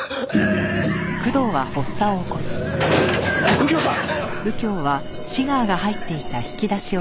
右京さん！